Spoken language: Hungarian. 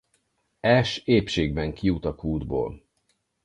Ash épségben kijut a kútból.